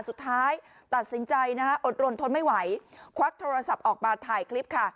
สุดท้ายตัดสินใจนะฮะอดรนทนไม่ไหวควักโทรศัพท์ออกมาถ่ายคลิปค่ะ